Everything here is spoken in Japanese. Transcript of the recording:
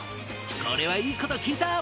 これはいい事聞いた！